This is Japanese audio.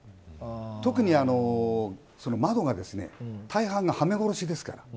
特に窓が大半がはめ殺しですから。